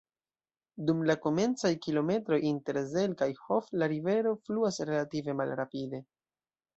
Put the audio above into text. Dum la komencaj kilometroj inter Zell kaj Hof la rivero fluas relative malrapide.